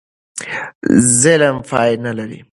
ظلم پای نه لري.